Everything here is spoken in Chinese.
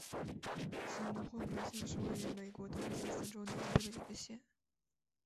吉姆霍格县是位于美国德克萨斯州南部的一个县。